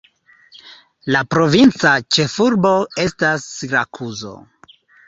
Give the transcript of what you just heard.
La provinca ĉefurbo estas Sirakuzo.